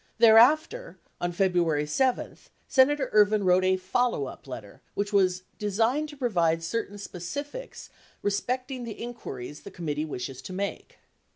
Thereafter on Febru ary 7, Senator Ervin wrote a "follow up letter" which was "designed to provide certain specifics respecting the inquiries the committee wishes to make."